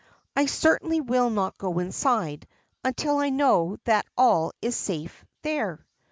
I certainly will not go inside until I know that all is safe there."